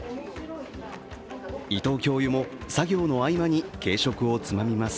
伊藤教諭も作業の合間に軽食をつまみます。